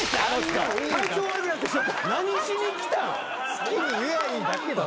・好きに言えばいいだけだろ。